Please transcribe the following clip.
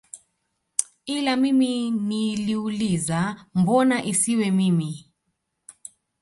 Ila mimi niliuliza mbona isiwe mimi